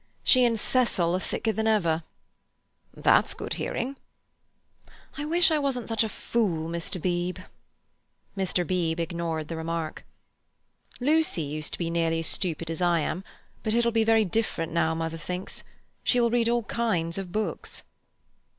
"She and Cecil are thicker than ever." "That's good hearing." "I wish I wasn't such a fool, Mr. Beebe." Mr. Beebe ignored the remark. "Lucy used to be nearly as stupid as I am, but it'll be very different now, mother thinks. She will read all kinds of books."